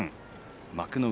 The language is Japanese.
幕内